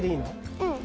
うん。